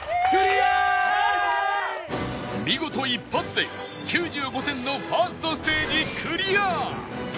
見事一発で９５点の １ｓｔ ステージクリア！